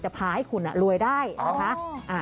พาให้คุณรวยได้นะคะ